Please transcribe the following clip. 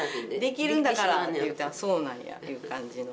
できるんだからって言ったらそうなんやっていう感じの。